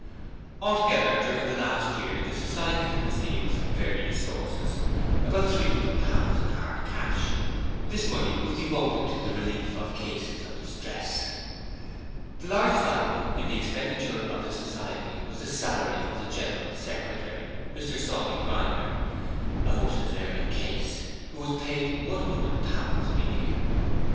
Altogether during the last year the Society had received from various sources about three hundred pounds in hard cash. This money was devoted to the relief of cases of distress. The largest item in the expenditure of the Society was the salary of the General Secretary, Mr Sawney Grinder a most deserving case who was paid one hundred pounds a year.